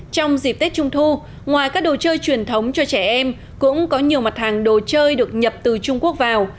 trong dịp tết trung thu ngoài các đồ chơi truyền thống cho trẻ em cũng có nhiều mặt hàng đồ chơi được nhập từ trung quốc vào